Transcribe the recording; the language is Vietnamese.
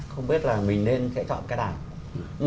không biết là mình nên chọn cái đàn